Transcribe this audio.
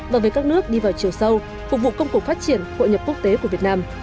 và với các nước đi vào chiều sâu phục vụ công cuộc phát triển hội nhập quốc tế của việt nam